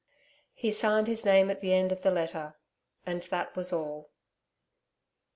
He signed his name at the end of the letter; and that was all.